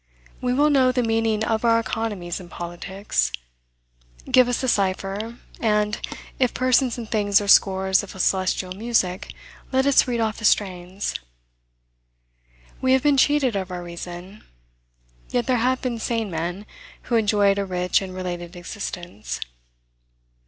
We will know the meaning of our economies and politics. Give us the cipher, and, if persons and things are scores of a celestial music, let us read off the strains. We have been cheated of our reason; yet there have been sane men, who enjoyed a rich and related existence.